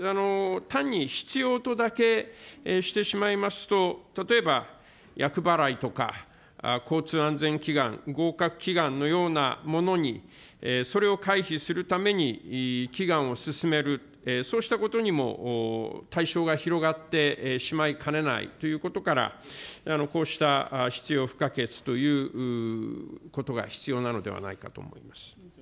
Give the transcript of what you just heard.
単に必要とだけしてしまいますと、例えば、厄払いとか、交通安全祈願、合格祈願のようなものに、それを回避するために、祈願を勧める、そうしたことにも対象が広がってしまいかねないということから、こうした必要不可欠ということが必要なのではないかと思います。